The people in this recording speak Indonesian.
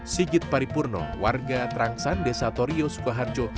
sigit paripurno warga trangsan desa torio sukoharjo